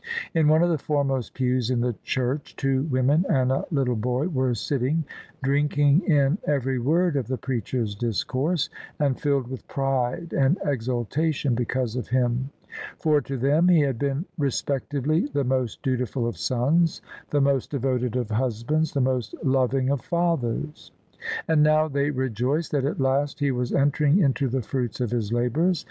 In one of the foremost pews in the church, two women and a little boy were sitting, drinking in every word of the preacher's discourse, and filled with pride and exultation because of him: for to them he had been respectively the most dutiful of sons, the most devoted of husbands, the most loving of fathers. And now they rejoiced that at last he was entering into the fruits of his labours.